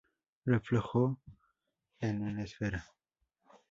Reflejo en una esfera